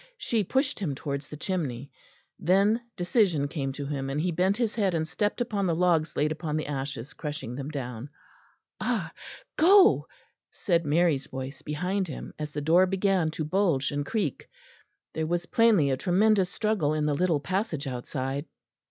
She pushed him towards the chimney. Then decision came to him, and he bent his head and stepped upon the logs laid upon the ashes, crushing them down. "Ah! go," said Mary's voice behind him, as the door began to bulge and creak. There was plainly a tremendous struggle in the little passage outside.